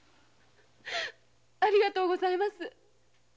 ありがとうございます。